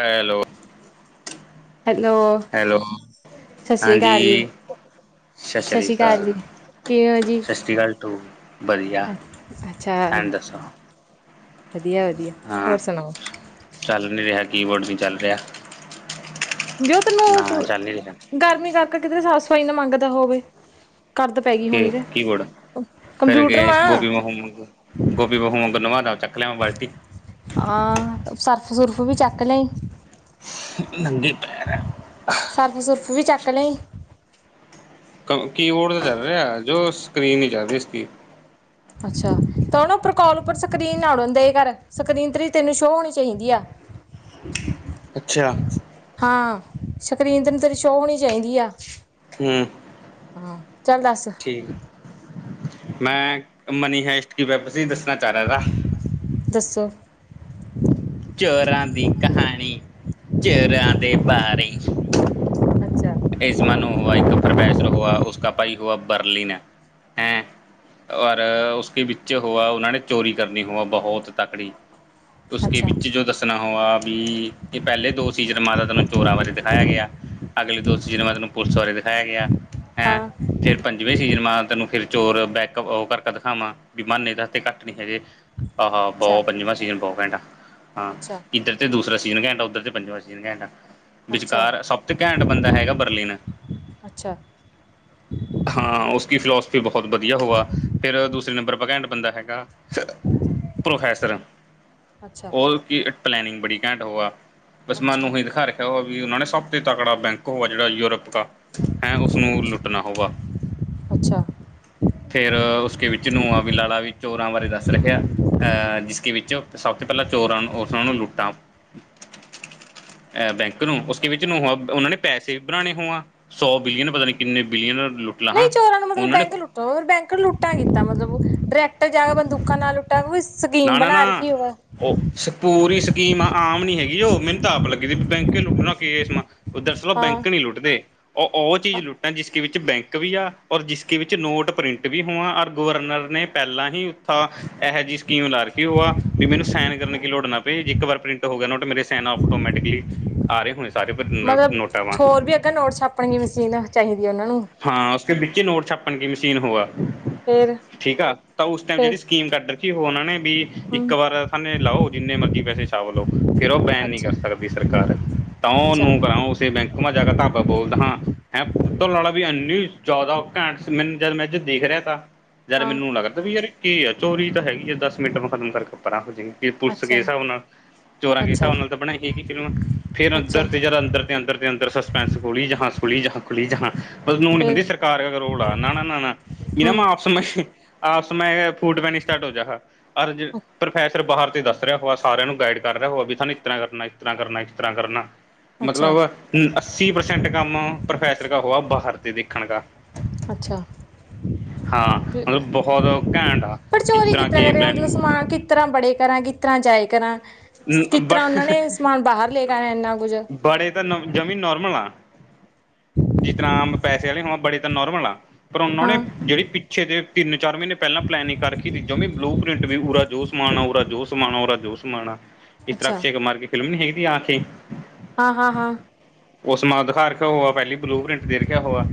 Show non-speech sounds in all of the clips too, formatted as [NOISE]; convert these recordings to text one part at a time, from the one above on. Hello, hello hello Sat Sri ਅਕਾਲ ਜੀ ਹਾਂਜੀ, ਸਤਿ ਸ਼੍ਰੀ ਅਕਾਲ। ਕਿਵੇਂ ਹੋ ਜੀ ਸਤਿ ਸ੍ਰੀ ਅਕਾਲ ਟੂੰ ਵਧੀਆ ਅੱਛਾ ਤੈਨ ਦੱਸੋ। ਵਧੀਆ ਵਧੀਆ। ਹਾਂ, ਹੋਰ ਸੁਣਾਓ ਚੱਲ ਨਹੀਂ ਰਿਹਾ। ਕੀਬੋਰਡ ਨੀ ਚੱਲ ਰਿਹਾ। ਜੋ ਤੈਨੂੰ ਨਾ ਚੱਲ ਨੀ ਰਿਹਾ। ਗਰਮੀ ਕਰਕੇ ਕਿਤੇ ਸਾਫ਼ ਸਫ਼ਾਈ ਨਾ ਮੰਗਦਾ ਹੋਵੇ ਗਰਦ। ਕੇ ਕੀ ਬੋਰਡ ਫਿਰ ਕੇ ਮਾਂ ਗੋਭੀ ਬਹੁ ਵਾਂਗੂ ਗੋਪੀ ਬਹੁ ਵਾਂਗੂ ਚੱਕਲਿਆਂਵਾਂ ਬਾਲਟੀ। ਹਾਂ ਸਰਫ ਸੁਰਫ ਵੀ ਚੱਕ ਲਿਆਈ। [UNINTELLIGIBLE] ਸਰਫ ਸੁਰਫ ਵੀ ਚੱਕ ਲਿਆਈ। ਕੀਬੋਰਡ ਤਾਂ ਚੱਲ ਰਿਹਾ ਜੋ ਸਕਰੀਨ ਨਹੀਂ ਚੱਲ ਰਹੀ ਇਸ ਕੀ ਅੱਛਾ ਤਾਂ ਉਹ ਉਪਰ ਕਾਲਿੰਗ ਸਕਰੀਨ ਨਾ ਉਡਣ ਦੇ ਕਰ। ਸਕਰੀਨ ਤੇਰੀ ਤੈਨੂੰ ਸ਼ੋਅ ਹੋਣੀ ਚਾਹੀਦੀ ਆ। ਅੱਛਾ, ਹਾਂ ਸ਼ਕਰੀਨ ਤੈਨੂੰ ਤੇਰੀ ਸ਼ੋਅ ਹੋਣੀ ਚਾਹੀਦੀ ਆ। ਹੂੰ, ਹਾਂ ਚੱਲ ਦੱਸ [UNINTELLIGIBLE] [UNINTELLIGIBLE] ਦੱਸੋ। ਚੋਰਾਂ ਦੀ ਕਹਾਣੀ ਚੌਰਾਂ ਦੇ ਬਾਰੇ। ਅੱਛਾ, ਇਸਮਾ ਨੂੰ ਹੋਆ ਇੱਕ ਪ੍ਰੋਫੈਸਰ ਹੋਇਆ ਉਸ ਕਾ ਭਾਈ ਹੋਇਆ ਬਰਲਿਨ, ਔਰ ਉਸ ਕੇ ਵਿੱਚ ਹੋਇਆ ਉਸਨੇ ਚੋਰੀ ਕਰਨੀ ਹੋਆ ਬਹੁਤ ਤਕੜੀ। ਉਸਕੇ ਅੱਛਾ ਵਿੱਚ ਜੋ ਦੱਸ ਣਾ ਹੋਆ ਵੀ ਇਹ ਪਹਿਲੇ ਦੋ ਸੀਜਨ ਮਾ ਤੈਨੂੰ ਚੋਰਾਂ ਬਾਰੇ ਦਿਖਾਇਆ ਗਿਆ ਅਗਲੇ ਦੋ ਅਗਲੇ ਸੀਨ ਮਾ ਤੈਨੂੰ ਪੁਲਿਸ ਬਾਰੇ ਦਿਖਾਇਆ ਗਿਆ। ਹਾਂ, ਫਿਰ ਪੰਜਵੇਂ ਸੀਜ਼ਨ ਵਿੱਚ ਮਾ ਤੈਨੂੰ ਉਹ ਚੀਜ਼ ਕਰਕੇ ਦਿਖਾਵਾਂਗਾ। ਵੀ ਮਾਨੇ ਥਰ ਤੇ ਘੱਟ ਨੀ ਹੈਗੇ ਆਹੋ ਅੱਛਾ ਬਹੁ ਪੰਜਵਾਂ ਸੀਜਨ ਬਹੁਤ ਘੈਂਟ ਆ। ਅੱਛਾ ਤੇ ਦੂਸਰਾ ਸੀਜ਼ਨ ਘੈਂਟ ਆ ਉੱਧਰ ਤੇ ਪੰਜਵਾਂ ਸੀਜ਼ਨ ਘੈਂਟ ਅੱਛਾ ਅੱਛਾ ਵਿਚਕਾਰ ਸਭ ਤੇ ਘੈਂਟ ਬੰਦਾ, ਹੈਗਾ ਬਰਲਿਨ ਅੱਛਾ ਹਾਂ ਉਸ ਕੀ ਫਿਲੋਸ, ਬਹੁਤ ਵਧੀਆ ਹੋਆ ਫੇਿਰ ਦੂਸਰੇ ਨੰਬਰ ਪਰ ਘੈਂਟ ਬੰਦਾ ਹੈਗਾ। ਪ੍ਰੋਫੈਸਰ ਅੱਛਾ ਉਹ ਕੀ ਪਲੈਨਿੰਗ ਬੜੀ ਘੈਂਟ ਹੋਇਆ। ਬਸ ਅੱਛਾ ਮੈਨੂੰ ਉਹੀਂ ਦਿਖਾ ਰੱਖਿਆ ਹੋਆ ਵੀ ਉਹਨਾਂ ਨੇ ਸਭ ਤੇ ਤਕੜਾ ਬੈਂਕ ਹੋਆ ਜਿਹੜਾ ਯੂਰਪ ਦਾ। ਹੈਂ ਉਸਨੂੰ ਲੁੱਟਣਾ ਹੋਵਾ। ਅੱਛਾ ਫੇਰ ਉਸਕੇ ਵਿੱਚ ਨੂੰ ਆ ਵੀ ਲਾਲਾ ਵੀ ਚੋਰਾਂ ਬਾਰੇ ਦੱਸ ਰਿਹਾ। ਅਹ ਜਿਸਕੇ ਵਿੱਚ ਸਭ ਤੋਂ ਪਹਿਲਾਂ ਚੋਰਾਂ ਨੂੰ ਉਸਨਾਂ ਨੂੰ ਲੁੱਟਾਂ। ਅਹ ਬੈਂਕ ਨੂੰ ਉਸ ਵਿੱਚ ਉਹਨਾਂ ਨੇ। ਪੈਸੇ ਭਰਾਉਣੇ ਹੋਵਾਂ ਸੌ ਬਿਲੀਅਨ ਪਤਾ ਨੀ ਕਿੰਨੇ ਬਿਲੀਅਨ ਲੁੱਟ ਨਹੀਂ ਲਹਾਂ ਚੋਰਾਂ ਨੂੰ ਮਤਲਬ ਉਹਨਾਂ ਨੇ। ਬੈਂਕ ਲੁੱਟੋ ਬੈਂਕ ਲੁੱਟਾਂ ਕੀਦਾਂ ਮਤਲਬ ਡਾਇਰੈਕਟ। ਤ ਜਾ ਕੇ ਬੰਦੂਕਾਂ ਨਾਲ ਲੁਟਾ ਹੋਵੇ ਨਾ ਸਕੀਮ ਨਾ ਬਣਾ ਨਾ ਰੱਖੀ ਹੋਵੇ। ਉਹ ਪੂਰੀ ਸਕੀਮ ਆਮ ਨੀ ਹੈਗੀ ਉਹ ਮੈਨੂੰ ਤਾਂ ਆਪ ਲੱਗੀ ਬੀ ਬੈਂਕ ਈ ਲੁੱਟਣਾ ਕੇ ਇਸ ਮਾ। ਉਹ ਦਰਅਸਲ ਉਹ ਹਾਂ ਬੈਂਕ ਨਹੀਂ ਲੁੱਟਦੇ। ਉਹ ਉਹ ਚੀਜ਼ ਲੁੱਟਾਂ ਜਿਸਕੇ ਵਿੱਚ ਬੈਂਕ ਵੀ ਆ ਔਰ ਜਿਸਕੇ ਵਿੱਚ ਨੋਟ ਪ੍ਰਿੰਟ ਵੀ ਹੋਵਾਂ ਔਰ ਗਵਰਨਰ ਨੇ। ਪਹਿਲਾਂ ਹੀ ਉੱਥਾ ਇਹੋ ਜਿਹੀ। ਸਕੀਮ ਲਾ ਰੱਖੀ ਉਹ ਆ ਵੀ ਮੈਨੂੰ ਸੈਨ ਕਰਨ ਕੀ ਲੋੜ ਨਾ ਪਏ ਇੱਕ ਵਾਰ ਪ੍ਰਿੰਟ ਹੋ ਗਿਆ ਨੌਟ ਮੇਰੇ ਔਟੋਮੈਟਕਲੀ। ਆ ਰਹੇ ਹੁਣੇ ਸਾਰੇ ਨੋਟਾਂਵਾਂ। ਬਈ ਅਗਰ। ਨੋਟ ਛਾਪਣ ਦੀ ਮਸ਼ੀਨ ਚਾਹੀਦੀ ਹੈ ਉਹਨਾਂ ਨੂੰ। ਹਾਂ ਉਸ ਵਿੱਚ ਨੋਟ ਛਾਪਣ ਕੀ ਮਸ਼ੀਨ ਹੋਆ ਫੇਰ ਠੀਕ ਆ ਤਾਂ ਉਸ ਟਾਈਮ ਫੇਰ ਜਿਹੜੀ। ਸਕੀਮ ਕੱਢ ਰੱਖੀ ਉਹਨਾਂ ਨੇ ਵੀ। ਇੱਕ ਹਮ ਵਾਰ ਪੈਸੇ ਲਾਓ ਜਿੰਨੇ ਮਰਜ਼ੀ ਪੈਸੇ ਛਾਪ ਲੋ ਫੇਰ ਉਹ ਬੈਨ ਨਹੀ ਅੱਛਾ ਕਰ ਸਕਦੀ ਸਰਕਾਰ। ਤਾਂ ਅੱਛਾ ਉਹਨੂੰ ਕਰਾ ਉਸੇ ਬੈਂਕ ਮ ਜਾ ਕੇ ਧਾਵਾ ਬੋਲਦਾ ਹਾਂ। ਹੈਂ, ਓਤੋਂ ਲੜਾ ਵੀ ਅੰਨੀ ਚੌਦਾਂ ਘੈਂਟ ਮੈਨ ਜਦ ਮੈਂ ਦੇਖ ਰੇਆ ਤਾ ਯਾਰ ਹਾਂ ਮੈਨੂੰ ਲੱਗਦਾ ਵੀ ਕੀ ਆ ਚੋਰੀ ਤਾਂ ਹੈਗੀ ਆ ਦਸ ਮਿੰਟ ਮੈਂ ਖਤਮ ਕਰਕੇ ਪਰਾਂ ਹੋਜਾਂ ਇਹ। ਪੁਲਿਸ ਕੇਸ ਅੱਛਾ ਹਿਸਾਬ ਨਾਲ ਚੋਰਾਂ ਕੇ ਅੱਛਾ ਹਿਸਾਬ ਨਾਲ ਤਾਂ ਬਣਾਈ ਸੀ ਫਿਲਮ ਫੇਰ ਅੱਛਾ ਅੰਦਰ ਤੇ ਜਦ ਅੰਦਰ। ਅੰਦਰ ਦੇ ਅੰਦਰ ਸਸਪੈਂਸ ਖੋਲੀ ਜਹਾਂ ਖੌਲੀ ਜਹ ਖੌਲੀ ਜਹਾਂ। ਨੂੰ ਨੀ ਫੇਰ ਹੁੰਦੀ ਸਰਕਾਰ ਰੋਲ ਆ ਨਾ ਨਾ ਨਾ ਨਾ ਜ ਨਾ ਹਮ ਮੈਂ ਆਪਸ ਮੇ ਆਪਸ ਮੇ। [UNINTELLIGIBLE] ਜਾ ਅਰਜ ਪ੍ਰੋਫੈਸਰ ਬਾਰ ਤੇ ਦੱਸ ਦੱਸ ਰਿਹਾ ਹੋ ਸਾਰਿਆਂ ਨੂੰ ਗਾਈਡ ਕਰ ਰਿਹਾ ਹੋ ਵੀ ਸਾਨੂੰ ਇਸ ਤਰ੍ਹਾਂ ਕਰਨਾ ਇਸ ਤਰ੍ਹਾਂ ਕਰਨਾ ਇਸ ਤਰ੍ਹਾਂ ਕਰਨਾ। ਅੱਛਾ ਮਤਲਬ ਅੱਸੀ ਪ੍ਰਸੈਂਟ ਕੰਮ ਪ੍ਰੋਫੈਸਰ ਕਾ ਹੋਆ ਬਾਹਰ ਤੇ ਦੇਖਣ ਕਾ। ਅੱਛਾ। ਹਾਂ ਫਿਰ ਮਤਲਬ ਬਹੁਤ ਘੈਂਟ ਆ ਪਰ ਕਿਸ ਚੋਰੀ ਤਰ੍ਹਾਂ ਕਿੱਦਾਂ ਕੇ ਕਰਿਆ ਮਤਲਬ ਪਲਨਿੰਗ ਸਮਾਨ ਕਿ। ਕਿਤਰ੍ਹਾਂ ਬੜੇ ਕਰਾਂ ਕਿਤਰ੍ਹਾਂ ਜਾਏ ਕਰਾਂ ਕਿਤਰ੍ਹਾਂ ਓਹਨਾਂ ਨੇ ਸਮਾਨ ਬਾਹਰ ਲੈ ਕੇ ਆਨਾ ਏਨਾ ਕੁੱਝ। ਬੜੇ ਤਾਂ ਜਮੀ ਨੋਰਮਲ ਆ। ਜਿਸ ਤਰ੍ਹਾ ਆਮ ਪੈਸੇ ਵਾਲੇ ਹ ਬੜੇ ਤਾਂ ਨੋਰਮਲ ਆਂ। ਪਰ ਓਹਨਾਂ ਨੇ ਹਾਂ ਜੇਹੜੀ ਪਿੱਛੇ ਦੇ ਤਿੰਨ ਚਾਰ ਮਹੀਨੇ ਪਹਿਲਾਂ ਪਲੈਨਿਂਗ ਕਰ ਰਖੀ ਤੀ ਜਮੀ ਬਲੂ ਪ੍ਰਿੰਟ ਵੀ ਪੂਰਾ ਜੋਸ਼। ਸਮਣਾ ਓ ਜੋ ਸਮਾਣਾ ਓਰਾ ਜੋ ਸਮਾਣਾ ਇਸ ਤਰ੍ਹਾਂ ਅੱਛਾ। ਅਕਸ਼ੇ ਕੁਮਾਰ ਕੇ ਫਿਲਮ ਨੀ ਹੈਗੀ ਥੀ ਆਂਖੇ। ਹਾਂ ਹਾਂ ਹਾਂ। ਓਸ ਮਾਂ ਦਿਖਾ ਰਕੇਆ ਹੋਆ ਪਹਿਲੀ ਬਲੂ ਪ੍ਰਿੰਟ ਦੇ ਰੱਖਿਆ ਹੋਆ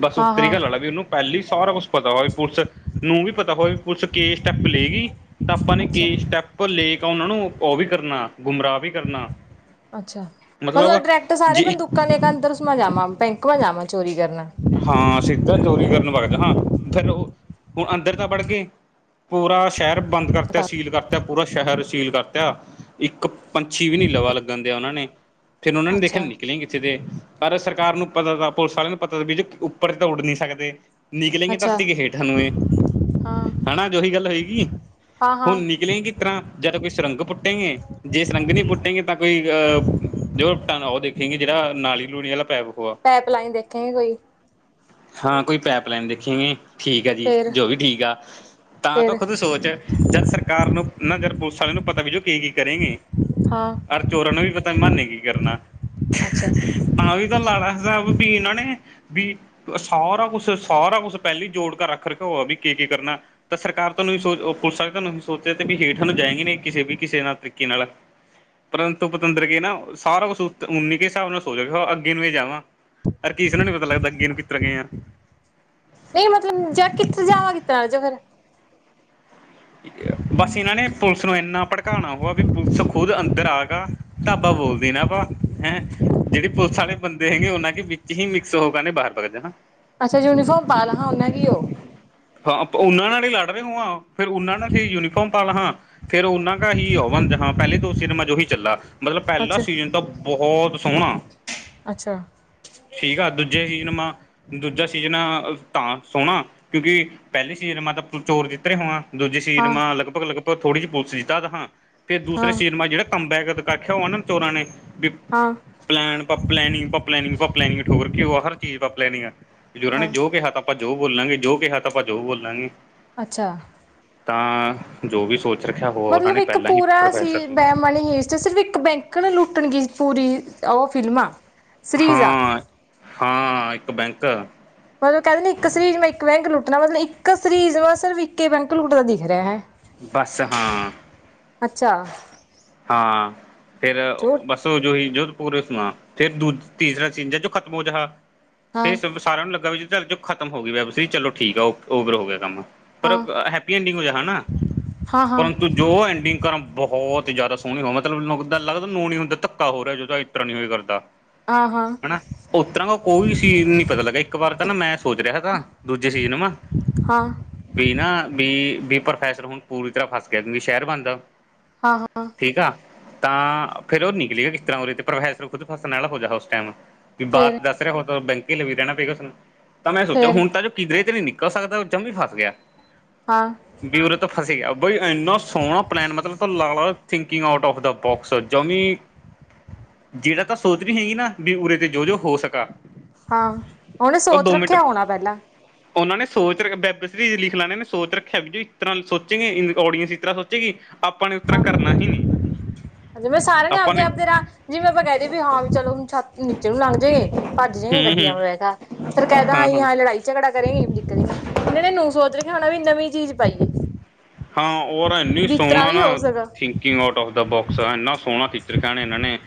ਬਸ ਹਾਂ ਉਤਰੀ ਹਾਂ ਕੇ ਲੜੇ ਵੀ ਓਹਨੂੰ। ਪਹਿਲੇ ਹੀ ਸਾਰਾ ਕੁਛ ਪਤਾ ਹੋ ਵੀ ਪੁਲਿਸ ਨੂੰ ਵੀ ਪਤਾ ਹੋਏ ਵੀ ਪੁਲਿਸ ਕਿ ਸਟੈਪ ਲਏਗੀ। ਤਾਂ ਆਪਾਂ ਨੇ ਅੱਛਾ ਕੀ ਸਟੈਪ ਲੈ ਕੇ ਓਹਨਾਂ ਨੂੰ ਓਹ ਵੀ ਕਰਨਾ ਗੁੰਮਰਾਹ ਵੀ ਕਰਨਾ। ਅੱਛਾ ਮਤਲਬ ਡੈ੍ਕਟ ਸਾਰੇ ਜੇ ਇੱਕ ਬੰਦੂਕਾਂ ਲੇਕੇ ਅੰਦਰ ਉਸਮਾ ਜਾਵਾ ਬੈਂਕਾ ਮ ਜਾਵਾਂ ਚੋਰੀ ਕਰਨੇ। ਹਾਂ ਸਿੱਧਾ ਚੋਰੀ ਕਰਨ ਵਗ ਜ ਹਾਂ ਫਿਰ ਓਹ ਹੁਣ ਅੰਦਰ ਤਾਂ ਬੜ ਗਏ। ਪੂਰਾ ਸ਼ਹਿਰ ਬੰਦ ਕਰਤਾ ਸੀਲ ਕਰਤਾ ਪੂਰਾ ਸ਼ਹਿਰ ਸੀਲ ਕਰਤਾ ਇੱਕ। ਪੰਛੀ ਵੀ ਨੀ ਲਵਾ ਲੱਗਣ ਦਿਆ ਓਹਨਾਂ ਨੇ ਫੇਰ ਓਹਨਾਂ ਨੇ ਦੇਖਿਆ ਅੱਛਾ ਨਿਕਲੇ ਕਿਥੇ ਤੇ। ਪਰ ਸਰਕਾਰ ਨੂੰ ਪਤਾ ਤਾ ਪੁਲਿਸ ਵਾਲਿਆਂ ਨੂੰ ਪਤਾ ਵੀੇ ਉੱਪਰ ਤਾਂ ਉੱਡ ਨੀ ਸਕਦੇ। ਨਿਕਲਲੇਗੇ ਅੱਛਾ ਧਰਤੀ ਕੇ ਹੇਠ ਨੂੰ ਇਹ। ਹਾਂ ਹਨਾ ਉਹੀ ਗੱਲ ਹੋਏਗੀ ਹਾਂ ਹੁਣ ਹਾਂ। ਨਿਕਲੇਗੀ। ਇਸ ਤਰ੍ਹਾਂ ਜਦ ਕੋਈ ਸੁਰੰਗ ਪੁੱਟੇਗੇ ਜੇ ਸੁਰੰਗ ਨਹੀਂ ਪੁੱਟੇਗੇ ਤਾਂ ਕੋਈ। ਜੋ ਪੁਟਾਂਗਾ ਉਹ ਉਹ ਦੇਖੇਗੀ ਜਿਹੜਾ ਨਾਲੀ ਲੂਣੀ ਵਾਲਾ ਪੈਪ ਹੋਇਆ। ਐਪਲਾਈਨ ਦੇਖੇਗੇ ਕੋਈ। ਹਾਂ ਕੋਈ ਪੈਪ ਲੈਨ ਦੇਖੀ ਨੀ ਠੀਕ ਐ ਜੀ ਫੇਰ ਜੋ ਵੀ ਠੀਕ ਆ। ਤਾਂ ਫੇਰ ਤੂੰ ਖੁਦ ਸੋਚ ਜਦ ਸਰਕਾਰ ਨੂੰ ਨਾ ਜ ਪੁਲਿਸ ਵਾਲੇ ਨੂੰ ਪਤਾ ਵੀ ਜੋ ਕੀ ਕੀ ਕਰੇਂਗੀ। ਹਾਂ ਅਰ ਚੋਰਾਂ ਨੂੰ ਵੀ ਪਤਾ ਮਨੇ ਕੀ ਕਰਨਾ। ਅੱਛਾ ਤਾ ਵੀ ਚਲ ਲਾਲਾ ਸਾਬ ਬੀ ਉਨਾਂ ਨੇ ਬੀ ਸਾਰਾ ਕੁਛ ਸਾਰਾ ਕੁਛ ਪਹਿਲੇ ਈ ਜੋੜ ਕੇ ਰੱਖ ਰੱਖਿਆ ਹੋਵਾ ਬੀ ਕੀ ਕੀ ਕਰਨਾ। ਤਾਂ ਸਰਕਾਰ ਤੁਹਾਨੂੰ ਵੀ ਓ ਸੋਚ ਪੁਲਿਸ ਵਾਲ ਤੁਹਾਨੂੰ ਵੀ ਸੋਚਿਆ ਤੇ ਵੀ ਹੇਠਾ ਨੂੰ ਜਾਏਗੀ ਨ ਕਿਸੇ ਵੀ ਕਿਸੇ ਨਾਲ ਤਰੀਕੇ ਨਾਲ। ਪਰੰਤੂ ਪਤੰਦਰ ਕੇ ਨਾ ਸਾਰਾ ਕੁਛ ਉਨੀ ਕਿਸ ਹਿਸਾਬ ਨਾਲ ਸੋਚ ਕੇ ਅੱਗੇ ਨੂੰ ਜਾਵਾਂ। ਪਰ ਕੀਸ ਨੂੰ ਨੀ ਪਤਾ ਲੱਗਦਾ, ਅੱਗੇ ਨੂੰ ਕਿਤਰਾਂ ਗਏ ਆਂ। ਨਈ ਮਤਲਬ ਜ ਕਿੱਥੇ ਜਾਣਾ, ਕਿੱਥੇ ਐ ਇਹੋ ਜਾ ਫੇਰ। ਬਸ ਏਹਨਾਂ ਨੇ ਪੁਲਿਸ ਨੂੰ ਇੰਨਾ ਭੜਕਾਣਾ ਹੋਆ ਵੀ, ਪੁਲਿਸ ਖੁਦ ਅੰਦ ਉੱਧਰ ਆ ਕਾ, ਧਾਬਾ ਬੋਲ ਦੇਨਾ ਵਾ, ਹੈਂ। ਜਿਹੜੇ ਪੁਲਿਸ ਵਾਲੇ ਬੰਦੇ ਹੈਗੇ, ਓਹਨਾਂ ਕੇ ਵਿੱਚ ਹੀ ਮਿਕਸ ਹੋ ਗੇ, ਇਹਨਾਂ ਨੇ ਬਾਹਰ ਬਗ ਜਾਣਾ ਹੈਗਾ। ਅੱਛਾ ਯੂਨੀਫਾਰਮ ਪਾ ਲਹੇਂ, ਉਹਨਾ ਕੀ ਓਹ। ਹਾਂ ਉਹਨਾਂ ਨਾਲ ਹੀ ਲੜ ਰਹੇ ਹੋਂਆ, ਫੇਰ ਉਹਨਾਂ ਨਾਲ ਈ ਯੂਨੀਫਾਰਮ ਪਾ ਲਹਾਂ, ਫੇਰ ਉਹਨਾਂ ਹੀ ਓਵਾਂ ਜਹਾਂ ਪਹਿਲੇ ਜੋ ਸਿਨਮਾ ਜੋ ਹੀ ਚੱਲਾ। ਮਤਲਬ ਪਹਿਲਾ ਅੱਛਾ ਸੀਜ਼ਨ ਤਾਂ ਬਹੁਤ ਸੋਹਣਾ। ਅੱਛਾ ਠੀਕ ਆ ਦੂਜੇ ਸੀਜ਼ਨ ਮਾ, ਦੂਜਾ ਸੀਜ਼ਨ ਤਾਂ ਸੋਹਣਾ ਕਿਉਂਕਿ ਪਹਿਲੀ ਸੀਜ਼ਨ ਮਾ ਤਾਂ ਚੋਰ ਜਿੱਤ ਰਹੇ ਹੋਵਾਂ, ਦੂਜੇ ਸੀਜਨ ਹਾਂ ਮਾ ਲਗਭਗ- ਲਗਭਗ ਪਰ ਥੋੜ੍ਹੀ ਜਿਹੀ ਪੁਲਿਸ ਸੀ ਤਦ ਹਾਂ, ਫਿਰ ਹਾਂ ਦੂਸਰੇ ਸੀਨ ਮਾ ਜੇੜਾ ਕੰਮਬੈਕ ਆਖਿਆ, ਓਨਾ ਚੋਰਾਂ ਨੇ ਵੀ ਹਾਂ। ਪਲੈਨ ਪ ਪਲੈਨਿੰਗ- ਪਲੈਨਿੰਗ, ਪ ਪਲੈਨਿੰਗ ਠੋਕ ਰਖੀ ਆ, ਹਰ ਚੀਜ਼ ਪੈ ਪਲੈਨਿੰਗ ਐ, ਬੀ ਔਨੇ ਹਾਂ ਜੋ ਕਿਹਾ ਤਾ ਆਪਾਂ ਜੋ ਬੋਲਾਂਗੇ, ਜੋ ਕਿਹਾ ਤਾਂ ਆਪਾਂ ਜੋ ਬੋਲਾਂਗੇ। ਅੱਛਾ। ਤਾਂ ਜੋ ਵੀ ਸੋਚ ਰੱਖਿਆ ਹੋ ਓਨਾਂ ਨੇ, ਪਹਿਲਾਂ ਹੀ ਪ੍ਰੋਫੈਸਰ ਨੇ ਮਾਣ ਏਸ ਚ ਸਿਰਫ ਇੱਕ ਬੈਂਕ ਨਾ ਲੁੱਟਣ ਕੀ ਪੂਰੀ ਓਹ ਫਿਲਮ ਆ। ਸੀਰੀਜ਼ ਆ ਹਾਂ- ਹਾਂ, ਇੱਕ ਬੈਂਕ। ਮਤਲਬ ਕਹਿੰਦੇ ਨੇ ਇੱਕ ਸੀਰੀਜ਼ ਮੈਂ ਇੱਕ ਬੈਂਕ ਲੁੱਟਣਾ, ਮਤਲਬ ਇੱਕ ਸਰੀਜ਼ ਮੈਂ ਸਿਰਫ ਇੱਕ ਈ ਬੈਂਕ ਲੁੱਟਦਾ ਦਿਖ ਰਿਹਾ ਹੈ। ਬਸ ਹਾਂ। ਅੱਛਾ। ਹਾਂ, ਫੇਰ ਝੂਠ ਬਸ ਸੋ ਜੋ ਹੀ ਜੋ ਪੂਰੇ ਸੁਣਾ ਫੇਰ, ਦੂ ਤੀਸਰਾ ਸੀਨ ਜ ਜੋ ਖ਼ਤਮ ਹੋ ਜਾ, ਹਾਂ ਫੇਰ ਸਾਰਿਆਂ ਨੂੰ ਲੱਗਾ ਵੀ ਖਤਮ ਹੋ ਗਈ ਵੈਬ ਸੀਰੀ, ਚਲੋ ਠੀਕ ਆ ਓਵਰ ਹੋ ਗਿਆ ਕੰਮ। ਪਰ ਹਾਂ ਹੈਪੀ ਐਂਡਿੰਗ ਹੋ ਜਾ ਹਨਾ, ਹਾਂ ਹਾਂ ਪਰੰਤੂ ਜੋ ਐਂਡਿੰਗ ਕਰਾਂ ਬਹੁਤ ਜ਼ਿਆਦਾ ਸੋਹਣੀ ਹੋ, ਮਤਲਬ ਲੱਗਦਾ ਨੂੰ ਨੀ ਹੁੰਦਾ ਧੱਕਾ ਹੋ ਰਿਹਾ ਜਾਦਾ, ਇ ਇਤਰਾਂ ਨਹੀਂ ਹੋ ਕਰਦਾ। ਹਾਂ- ਹਾਂ। ਹਨਾ ਉਤਰਾਂ ਕੋਈ ਸੀਨ ਨੀ ਪਤਾ ਲੱਗਾ, ਇੱਕ ਵਾਰ ਤਾਂ ਨਾ ਮੈਂ ਸੋਚ ਰਿਹਾ ਤਾ, ਦੂਜੇ ਸੀਜ਼ ਨੂੰ ਮੈਂ ਹਾਂ। ਵੀ ਨਾ ਵੀ ਪ੍ਰੋਫੈਸਰ ਹੁਣ ਪੂਰੀ ਤਰ੍ਹਾਂ ਫਸ ਗਿਆ, ਜਿਵੇਂ ਸ਼ਹਿਰ ਬਣਦਾ ਹਾਂ-ਹਾਂ। ਠੀਕ ਆ, ਤਾਂ ਫੇਰ ਉਹ ਨਿਕਲੀਗਾ ਕਿਸ ਤਰ੍ਹਾਂ ਉਦੇ ਤੇ, ਪ੍ਰੋਫੈਸਰ ਖੁਦ ਫਸਣ ਵਾਲਾ ਹੋ ਜਾ ਉਸ ਟੈਮ। ਵੀ ਬਾਹਰ ਫੇਰ ਦੱਸ ਰਿਹਾ ਹੋ, ਤਾਂ ਬੈਂਕ ਕੇ ਲਵੀ ਰਹਿਣਾ ਪਏਗਾ ਉਸਨੂੰ, ਤਾਂ ਮੈਂ ਸੋਚਿਆ ਫੇਰ ਹੁਣ ਤਾਂ ਜੋ ਕਿਧਰੇ ਤੇ ਨੀ ਨਿਕਲ ਕਹਿ ਸਕਦਾ, ਉਹ ਜੰਮੀ ਫਸ ਗਿਆ। ਹਾਂ। ਵੀ ਊਰੇ ਤੋਂ ਫਸੀ ਗਿਆ, ਬਈ ਇੰਨਾ ਸੋਹਣਾ ਪਲੈਨ ਮਤਲਬ ਲਾ ਲੈ king out of the box ਜਮੀਂ ਜਿਹੜਾ ਤਾਂ ਸੋਚ ਵੀ ਹੀ ਹੈਗੀ ਨਾ, ਵੀ ਉਰੇ ਤੇ ਜੋ ਜੋ ਹੋ ਸਕਾ। ਹਾਂ, ਉਹਨੇ ਸੋਚ ਰੱਖਿਆ ਹੋਣਾ ਪਹਿਲਾਂ। ਓਹਨਾਂ ਨੇ ਸੋਚ ਰਖਿਆ ਵੈਬ ਲਿਖ ਲਣੇ ਨੇ, ਸੋਚ ਰੱਖਿਆ ਵੀ ਇਸ ਤਰ੍ਹਾਂ ਸੋਚੇਗੀ, ਓਡੀਐਂਸ ਇਸ ਤਰ੍ਹਾਂ ਸੋਚੇਗੀ। ਆਪਾਂ ਨੇ ਉਤਰਾ ਹਾਂ ਕਰਨਾ ਹੀ ਨੀ। ਜਿਵੇਂ ਸਾਰਿਆਂ ਨੇ ਆਪਦੇ ਆਪਦੇ ਰਾਹ, ਜਿਵੇਂ ਆਪਾਂ ਕਹਿ ਦੇ ਵੀ ਹਾਂ, ਵੀ ਚਲੋ ਛਤ ਦੇ ਨੀਚੇ ਨੂੰ ਲੰਘ ਜੇਗੇ। ਭੱਜ ਜੇ ਗੇ ਹੂੰ ਹੂੰ ਗੱਡੀਆਂ ਮੈਂ ਬਹਿ ਕੈ, ਫੇਰ ਕਹਿਦਾ ਆਈ ਹਾਂ ਲੜਾਈ। ਝਗੜਾ ਕਰੇਗੀ ਨਿਕਲੀਏ, ਇਹਨਾਂ ਨੇ ਨੂੰ ਸੋਚ ਰੱਖਿਆ ਹੋਣਾ ਵੀ ਨਵੀਂ ਚੀਜ਼ ਪਾਈਏ। ਹਾਂ ਔਰ ਇੰਨੀ ਵੀ ਇਸ ਤਰ੍ਹਾਂ ਸੋਹਣਾ ਵੀ ਨਾ ਹੋ ਸਕਾ ਥੀ king out of the box ਆ ਇੰਨਾ ਸੋਹਣਾ ਖਿੱਚ ਰਖਿਆ ਇਹਨਾਂ ਨੇ।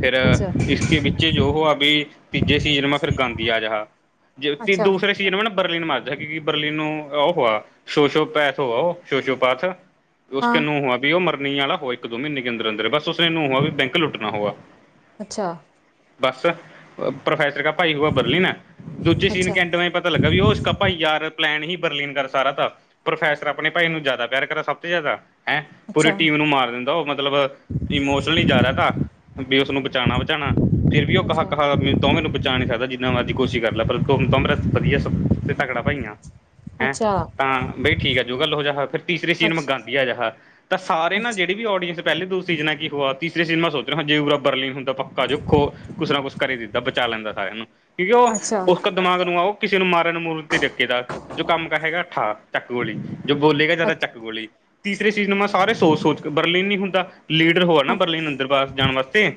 ਫੇਰ ਅੱਛਾ ਇਸਕੇ ਵਿੱਚ ਜੋ ਆ ਵੀ, ਤੀਜੇ ਸੀਜਨ ਮੈਂ ਫਿਰ ਗਾਂਧੀ ਆ ਜਹਾ। ਜੇ ਅੱਛਾ ਦੂਸਰੇ ਸੀਜ਼ਨ ਵੀ ਨਾ ਬਰਲੀਨ ਮਰਦਾ, ਕਿਉਂਕਿ ਬਰਲੀਨ ਨੂੰ ਉਹ ਹੋਆ ਸ਼ੋਅ ਸ਼ੋ ਪੈਸ ਹੋਆ ਉਹ। ਸ਼ੋਸ਼ੋ ਪਾਥ, ਉਸ ਹਾਂ ਕੇ ਨੂੰਹ ਹੂਆ ਵੀ ਉਹ ਮਰਨੀ ਵਾਲਾ ਹੋਵੇ ਇੱਕ ਦੋ ਮਹੀਨੇ ਕੇ ਅੰਦਰ ਅੰਦਰ, ਬਸ ਉਸਨੇ ਨੂੰ ਵੀ ਬੈਂਕ ਲੁੱਟਣਾ ਹੋਵਾ ਅੱਛਾ ਬਸ ਪ੍ਰੋਫੈਸਰ ਕ ਭਾਈ ਹੋਆ ਬਰਲੀ ਨੈ, ਦੂਜੇ ਸੀਨ ਅੱਛਾ ਕੰਟ ਮ ਪਤ ਪਤਾ ਲੱਗਾ ਵੀ ਉਹ ਇਸ ਭਾਈ ਯਾਰ ਪਲੈਨ ਹੀ ਬਰਲੀਨ ਕਰ ਸਾਰਾ ਥਾ, ਪ੍ਰੋਫੈਸਰ ਆਪਣੇ ਭਾਈ ਇਹਨੂੰ ਜ਼ਿਆਦਾ ਪਿਆਰ ਕਰਾਂ ਸਭ ਤੋਂ ਜ਼ਿਆਦਾ, ਹੈਂ ਪੂਰੀ ਅੱਛਾ ਟੀਮ ਨੂੰ ਮਾਰ ਦਿੰਦਾ ਉਹ ਮਤਲਬ ਇਮੋਸ਼ਨਲ ਹੀ ਜਾ ਰਿਹਾ ਤਾ, ਵੀ ਉਸਨੂੰ ਬਚਾਉਣਾ ਬਚਾਉਣਾ ਫਿਰ ਵੀ ਉਹ ਕਹਾ ਅੱਛਾ ਕਹਾ, ਵੀ ਤੂ ਮੈਨੂੰ ਬਚਾ ਨਹੀਂ ਸਕਦਾ, ਜਿੰਨਾ ਮਰਜ਼ੀ ਕੋਸ਼ਿਸ਼ ਕਰ ਲੈ, ਪਰ ਤੂ ਮੇਰਾ ਵਧੀਆ ਸਬ ਤੋ। ਤੇ ਤਗੜਾ ਭਾਈ ਆਂ ਹੈਂ ਅੱਛਾ ਤਾਂ ਬਈ ਠੀਕ ਆ ਜੋ ਗੱਲ ਹੋ ਜਾਹਾ, ਫਿਰ ਤੀਸਰੀ ਅੱਛਾ ਸੀਨ ਮੈਂ ਅੱਛਾ ਗਾਂਧੀ ਆ ਜਹਾ, ਤਾਂ ਸਾਰੇ ਨਾ ਜਿਹੜੇ ਵੀ ਆਡੀਅਸ ਪਹਿਲੇ ਦ ਸੀਜ਼ ਕੀ ਹੋਆ ਤੀਸਰੀ ਸੀਿਨਮ ਸੋਚ ਰਹੇ ਹੋ ਹਜੇ ਪੂਰਾ ਬਰਲੀਨੁੰਦਾੱਕਾ ਜੋੋ ਕੁਛ ਨਾ ਕੁਛ ਕਰੀ ਦਿੱਤਾ [UNINTELLIGIBLE] ਬਚਾ ਲੈਂਦਾ ਸਾਰਿਆਂ ਨੂੰ, ਕਿਉਂਕਿ ਉਹ ਉਸ ਦਿਮਾਗ ਨੂੰ ਆਓ ਕਿਸੇ ਨੂੰ ਮਾਰਨ ਮੂਰਨ ਤੇ ਡਕੇ ਦਾ, ਜੋ ਕੰਮ ਕਾ ਹੈਗਾ, ਠਾ ਚੱਕ ਗੋਲੀ ਜੋ ਬੋਲੇਗਾ ਜ਼ਿਆਦਾ ਚੱਕ ਅੱਛਾ ਗੋਲੀ, ਤੀਸਰੇ ਚੀਜ਼ ਨੂੰ ਮੈਂ ਸਾਰੇ ਸੋਚ ਸੋਚ ਕੇ, ਬਰਲੇ ਨੀ ਹੁੰਦਾ ਲੀਡਰ ਹੋਆ ਨਾ ਬਰਲੀਨ, ਅਂਦਰ ਬਾਰ ਜਾਣ ਵਾਸਤੇ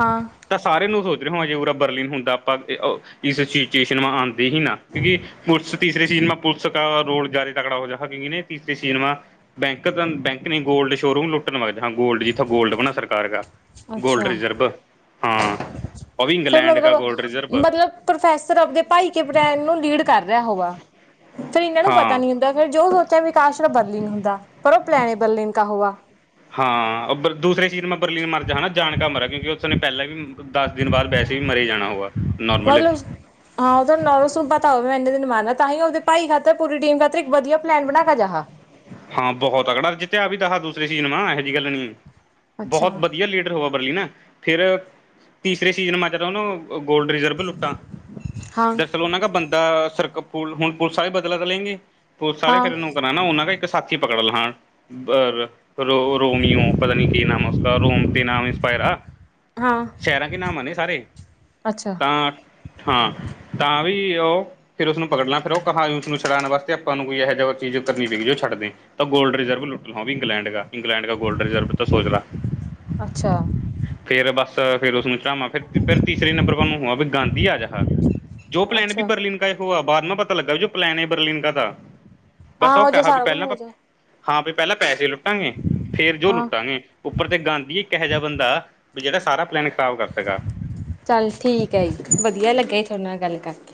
ਹਾਂ ਤਾਂ ਸਾਰੇ ਨੂੰ ਸੋਚ ਰਹੇ, ਯੂ ਵਾਲਾ ਬਰਾ ਬਰਲਿਨ ਹੁੰਦਾ, ਆਪਾਂ ਇਸ ਸਿਚੁਏਸ਼ਨ ਮਹਾ ਹੀ ਨਾ ਕਿਉਂਕਿ ਪੁਲਿਸ ਤੀਸਰੇ ਚੀਜ਼ ਮੈਂ ਪੁਲਿਸ ਕ ਰੋਲ, ਜਾ ਤਕੜਾ ਹੋ ਜਾ ਹਵੀ ਨੇ ਤੀਸਰੇ ਸੀਨ ਮਾ, ਬੈਂਕ ਬੈਂਕ ਨੇ ਗੋਲਡ ਸ਼ੋਰੂਮ ਲੁੱਟ ਟਣ ਲੱਗਦਾ ਹਾਂ, ਗੋਲਡ ਜਿੱਥੋਂ ਗੋਲਡ ਬਣਾ ਸਰਕਾਰ ਕਾ, ਗੋਲਡ ਅੱਛਾ ਰਿਜਰਵ ਹਾਂ ਫਿਰ ਮਤਲਬ, ਮਤਲਬ ਪ੍ਰੋਫੈਸਰ ਆਪਦੇ ਭਾਈ ਕੇ ਬ੍ਰੈਂਡ ਨੂੰ, ਲੀਡ ਕਰ ਰਿਹਾ ਹੋਗਾ ਫਿਰ ਇਹਨਾਂ ਨੂੰ ਪਤਾ ਨੀ ਹੁੰਦਾ, ਫਿਰ ਜੋ ਸੋਚਿਆ ਵੀ ਕਾਸ਼ ਔ ਬਦਲੀਨ ਹੁੰਦਾ, ਪਰ ਉਹ ਪਲੈਣੇ ਬਰਲੀਨ ਕਾ ਹੋਆ ਹਾਂ ਦੂਸਰੇ ਚੀਜ਼ ਮੈਂ ਬਰਲੀਨ ਨੂੰ ਮਰ ਜਾ ਹੈ, ਜਾਣ ਕੇ ਮਰ ਗਈ, ਕਿਉਂਕਿ ਉਸ ਨੇ ਪਹਿਲਾਂ ਵੀ ਦੱਸ ਦਿਨ ਬਾਦ, ਵੈਸੇ ਵੀ ਮਰੇ ਜਾਣਾ ਔ। [UNINTELLIGIBLE] ਹਾਂ ਉਹ ਹੂੰ ਸੂਬਾ ਤਾਂ ਉਹਵੇ ਮੈਂ ਇਨੇ ਦਿਨ ਮਨਨਾ, ਤਾਂ ਹੀ ਉਹਦੇ ਭਾਈ ਖਾਤਰ ਪੂਰੀ ਟੀਮ ਖਾਤਰ ਵਧੀਆ ਪਲੈਨ ਬਣਾ ਕੇ ਜਾਹਾ। ਹਾਂ ਬਹੁਤ ਤਗੜਾ, ਜਿੱਤਿਆ ਵੀ ਦਾ ਦੂਸਰੇ ਟੀਮ ਮਾ, ਇਹੋ ਜਹੀ ਗੱਲ ਨਹੀਂ, ਅੱਛਾ ਬਹੁਤ ਵਧੀਆ ਲੀਡਰ ਹੋ ਬਰਲੀਨ, ਫਿਰ ਤੀਸਰੇ ਸੀਜਨ ਮੈਂ ਜਦੋਂ ਔ ਨੂੰ ਗੋਲਡ ਰਿਜ਼ਰਵ ਲੁੱਟਾਂ ਹਾਂ ਦਰਅਸਲ ਉਹ ਕਾ ਬੰਦਾ ਸਰ, ਹੁਣ ਪੁਲਿਸ ਵਾਲੇ ਬਦਲਾ ਕਰ ਲੇਂਗੇ, ਪੁਲਿਸ ਵਾਲੇ ਹਾਂ ਫਿਰ ਮੈਂ ਨਾ, ਉਹਨਾਂ ਦਾ ਇੱਕ ਸਾਥੀ ਪਕੜ ਲੈਣ ਅ ਰੋ ਰੋਮੀਓ, ਪਤਾ ਨੀ ਕੀ ਨਾਮ ਉਸਕਾ, ਰੋਮ ਤੇ ਨਾਮ ਇੰਸਪਾਇਰ ਆ ਹਾਂ ਸ਼ਹਿਰਾਂ ਕੀ ਨਾਮ ਆ ਨੇ ਸਾਰੇ, ਅੱਛਾ ਤਾਂ ਹਾਂ। ਤਾਂ ਵੀ ਉਹ ਫੇਰ ਉਸਨੂੰ ਪਕੜਨਾ, ਫਿਰ ਉਹ ਕਹਾ ਉਸਨੂੰ ਛੱਡਾਣ ਵਾਸਤੇ, ਆਪਾਂ ਨੂੰ ਕੋ ਇਹੋ ਜੀ ਚੀਜ਼ ਕਰਨੀ ਪਈਗੀ ਉਹ ਛੱਡ ਤਾਂ ਗੋਲਡ ਰਿਜ਼ਰਵ ਲੁੱਟ ਲ ਵੀ ਇੰਗਲੈਂਡ ਦਾ, ਇੰਗਲੈਂਡ ਦਾ ਗੋਲਡ ਰਿਜ਼ਰਵ ਤਾਂ ਸੋਚ ਲਾ। ਅੱਛਾ। ਫੇਰ ਬੱਸ ਫੇਰ ਉਸਨੂੰ ਚੜਾਵਾਂ, ਫੇਰ ਤੀਸਰੇ ਨੰਬਰ ਪੇ ਹੁਆਂ, ਵੀ ਗਾਂਧੀ ਆ ਜਾਹਾ। ਜੋ ਪਲੈਨ ਵੀ ਅੱਛਾ ਬਰਲਿਨ ਇਹ ਹੋਆ, ਬਾਅਦ ਮੈ ਪਤਾ ਲੱਗਾ ਵੀ ਜੋ ਪਲੈਨ ਹੈ, ਏ ਬਰਲਿਨ ਕਾ ਤਾਂ, ਬਸ ਹਾਂ ਉਹ ਹੋ ਜਾ ਕਿਹਾ ਵੀ ਸਾਰਾ ਕੁਝ ਪਹਿਲਾਂ ਹੋ ਜਾ ਹਾਂ ਪਹਿਲਾਂ ਪੈਸੇ ਲੁੱਟਾਂਗੇ, ਫੇਰ ਜੋ ਹਾਂ ਲੁੱਟਾਂਗੇ। ਉੱਪਰ ਤੇ ਗਾਂਧੀ ਇੱਕ ਇਹੋ ਜਿਹਾ ਬੰਦਾ, ਵੀ ਜਿਹੜਾ ਸਾਰਾ ਪਲੈਨਟ ਖਰਾਬ ਕਰ ਸਗਾ। ਚੱਲ ਠੀਕ ਹੈ ਜੀ, ਵਧੀਆ ਲੱਗੇ ਜ ਤੁਹਾਡੇ ਨਾਲ ਗੱਲ ਕਰ